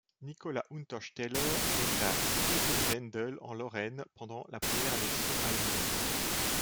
Nicolas Untersteller naît à Stiring-Wendel, en Lorraine, pendant la première annexion allemande.